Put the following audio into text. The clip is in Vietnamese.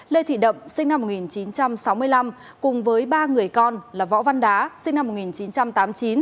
lê thị đậm sinh năm một nghìn chín trăm sáu mươi năm cùng với ba người con là võ văn đá sinh năm một nghìn chín trăm tám mươi chín